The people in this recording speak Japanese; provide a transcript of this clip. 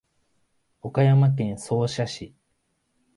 岡山県総社市